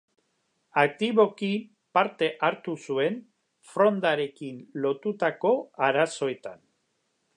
Aktiboki parte hartu zuen Frondarekin lotutako arazoetan.